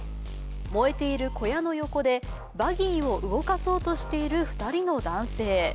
燃えている小屋の横でバギーを動かそうとしている２人の男性。